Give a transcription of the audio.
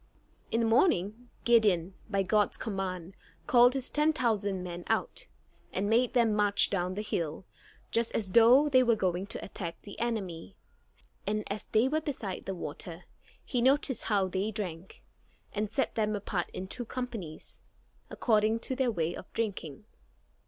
In the morning Gideon, by God's command called his ten thousand men out, and made them march down the hill, just as though they were going to attack the enemy. And as they were beside the water, he noticed how they drank, and set them apart in two companies, according to their way of drinking.